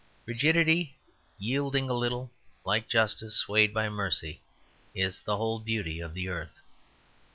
Rigidity yielding a little, like justice swayed by mercy, is the whole beauty of the earth.